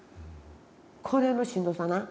これのしんどさな。